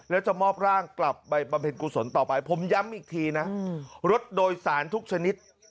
แล้วจะมอบร่างกลับไปบำเพ็ญกุศลต่อไปผมย้ำอีกทีนะรถโดยสารทุกชนิด